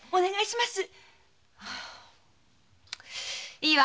いいわ。